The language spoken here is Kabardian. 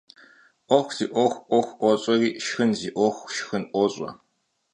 'uexu zi 'uexu 'uexu 'uoş'eri, şşxın zi 'uexu şşxın 'uoş'e.